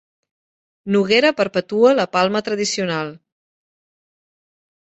Noguera perpetua la Palma tradicional